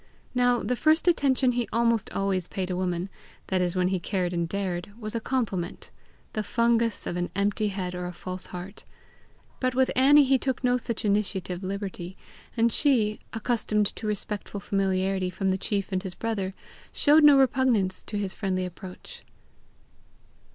Now the first attention he almost always paid a woman, that is when he cared and dared, was a compliment the fungus of an empty head or a false heart; but with Annie he took no such initiative liberty, and she, accustomed to respectful familiarity from the chief and his brother, showed no repugnance to his friendly approach.